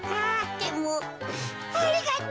でもありがと。